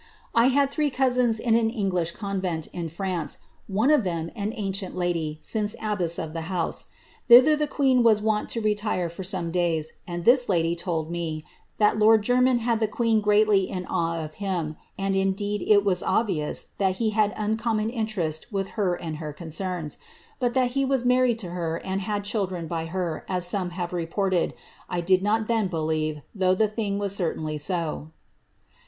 ^ I had three cousins in an English convent, in France, one of them i an ancient lady, since abbess of the house. Thither the queen wm ^ wont to retire for some days, and this lady told me that lord Jermyn bid 1 the queen greatly in awe of him, and indeed it was obvious that he had ~: uncommon interest with her and her concerns ; but that he was married ^ to her or had children by her, as some have reported, 1 did not tbea ] believe, though the thing was certainly so.''